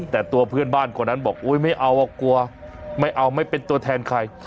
แต่ตัวเพื่อนบ้านคนนั้นบอกโอ๊ยไม่เอากลัวไม่เอาไม่เป็นตัวแทนใคร